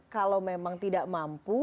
kalau memang tidak mampu